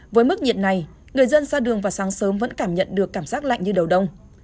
với mức nhiệt này người dân ra đường vào sáng sớm vẫn cảm nhận được cảm giác lạnh như đầu đông